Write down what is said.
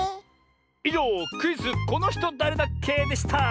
いじょうクイズ「このひとだれだっけ？」でした！